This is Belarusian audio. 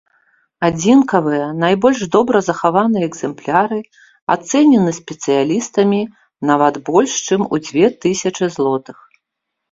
Адзінкавыя, найбольш добра захаваныя экземпляры, ацэнены спецыялістамі нават больш чым у дзве тысячы злотых.